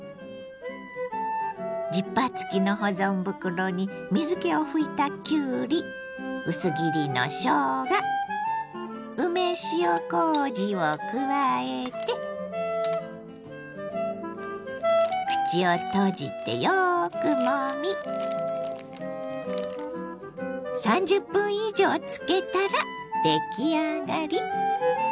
ジッパー付きの保存袋に水けを拭いたきゅうり薄切りのしょうが梅塩こうじを加えて口を閉じてよくもみ３０分以上漬けたら出来上がり。